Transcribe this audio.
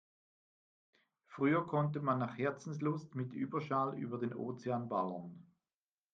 Früher konnte man nach Herzenslust mit Überschall über den Ozean ballern.